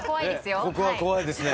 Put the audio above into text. ここは怖いですね。